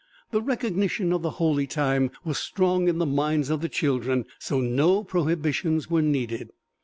The recognition of the "holy time" was strong in the minds of the children, so no prohibitions were needed.